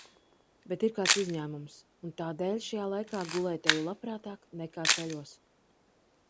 Bet ir kāds izņēmums. Un tā dēļ šajā laikā gulēt eju labprātāk, nekā ceļos.